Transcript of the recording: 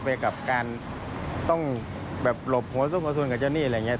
ไปกับการต้องอย่างนี้ลบหัวสู้งคสุลกับเจ้านี่อะไรอย่างนี้